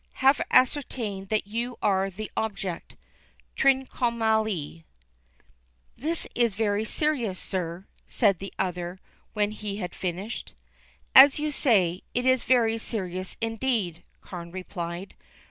Have ascertained that you are the object. TRINCOMALEE. "This is very serious, sir," said the other, when he had finished. "As you say, it is very serious indeed," Carne replied.